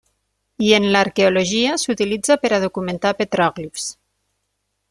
I en l'arqueologia s'utilitza per a documentar petròglifs.